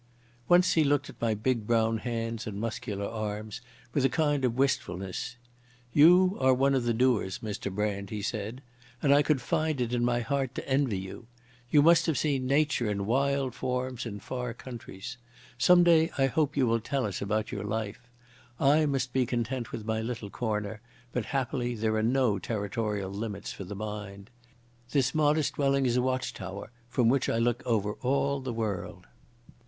Once he looked at my big brown hands and muscular arms with a kind of wistfulness. "You are one of the doers, Mr Brand," he said, "and I could find it in my heart to envy you. You have seen Nature in wild forms in far countries. Some day I hope you will tell us about your life. I must be content with my little corner, but happily there are no territorial limits for the mind. This modest dwelling is a watch tower from which I look over all the world."